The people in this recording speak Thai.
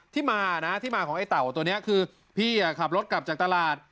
ที่มานะที่มาของไอ้เต่าตัวนี้คือพี่ขับรถกลับจากตลาด